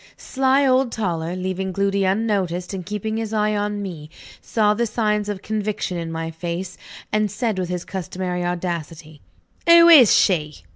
Sly old Toller, leaving Gloody unnoticed, and keeping his eye on me, saw the signs of conviction in my face, and said with his customary audacity: "Who is she?"